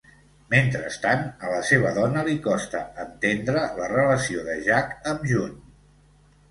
Mentrestant, a la seva dona li costa entendre la relació de Jack amb June.